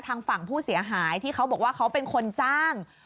ทางฝั่งผู้เสียหายที่เขาบอกว่าเขาเป็นคนจ้าง